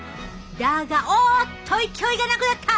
だがおっと勢いがなくなった！